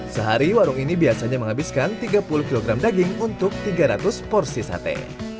sehari warung ini biasanya menghabiskan tiga puluh kg daging untuk tiga ratus porsi sate